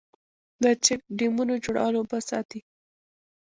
د چک ډیمونو جوړول اوبه ساتي